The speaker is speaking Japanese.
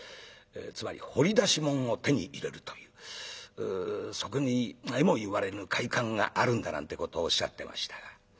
つまり掘り出し物を手に入れるというそこにえも言われぬ快感があるんだなんてことをおっしゃってましたが。